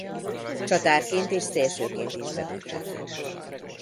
Csatárként és szélsőként is bevethető.